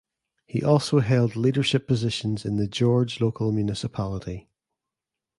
He also held leadership positions in the George Local Municipality.